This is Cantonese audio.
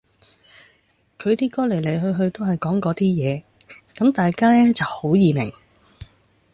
佢啲歌嚟嚟去去都係講嗰啲嘢，咁大家呢就好易明